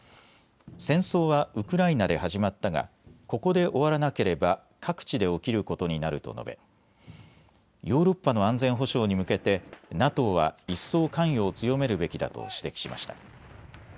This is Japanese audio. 戦争はウクライナで始まったがここで終わらなければ各地で起きることになると述べヨーロッパの安全保障に向けてＮＡＴＯは一層、関与を強めるべきだと指摘しました。